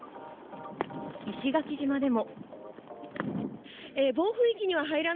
石垣島でも。